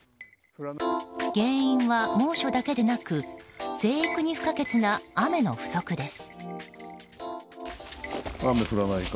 原因は猛暑だけでなく生育に不可欠な雨の不足です。